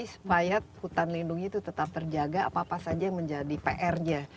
supaya hutan lindung itu tetap terjaga apa apa saja yang menjadi pr nya